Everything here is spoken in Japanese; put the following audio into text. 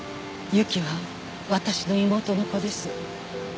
侑希は私の妹の子です。